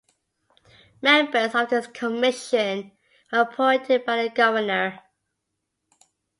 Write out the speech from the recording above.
Members of this commission were appointed by the Governor.